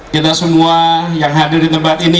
kita semua yang hadir di tempat ini